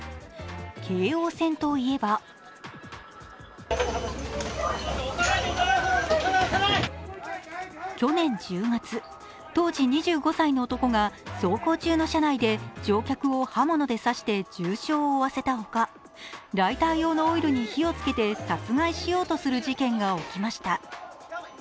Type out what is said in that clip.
京王線といえば去年１０月、当時２５歳の男が走行中の車内で乗客を刃物で刺して重傷を負わせたほかライター用のオイルに火をつけて殺害しようとする事件が起きました。